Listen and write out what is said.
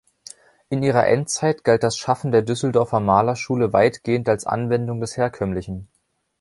In ihrer Endzeit galt das Schaffen der Düsseldorfer Malerschule weitgehend als Anwendung des Herkömmlichen.